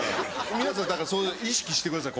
皆さんだから意識してください